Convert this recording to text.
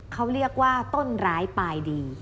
เขาเรียกว่าต้นร้ายปลายดี